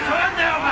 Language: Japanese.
お前。